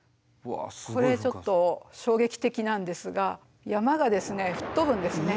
これちょっと衝撃的なんですが山が吹っ飛ぶんですね。